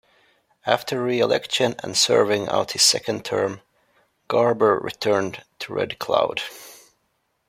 After re-election and serving out his second term, Garber returned to Red Cloud.